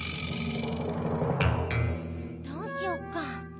どうしよっか。